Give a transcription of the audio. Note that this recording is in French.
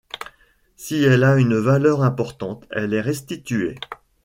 Si elle a une valeur importante, elle est restituée.